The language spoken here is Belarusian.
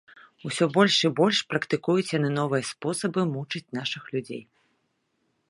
Усё больш і больш практыкуюць яны новыя спосабы мучыць нашых людзей.